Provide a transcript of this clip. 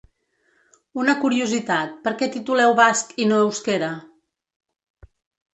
Una curiositat perquè tituleu basc i no euskera?